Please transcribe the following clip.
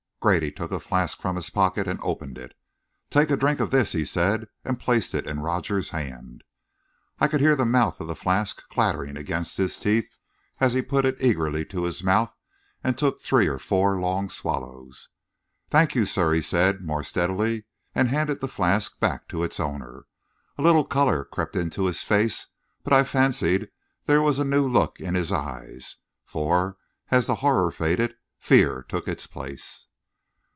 Grady took a flask from his pocket and opened it. "Take a drink of this," he said, and placed it in Rogers's hand. I could hear the mouth of the flask clattering against his teeth, as he put it eagerly to his mouth and took three or four long swallows. "Thank you, sir," he said, more steadily, and handed the flask back to its owner. A little colour crept into his face; but I fancied there was a new look in his eyes for, as the horror faded, fear took its place.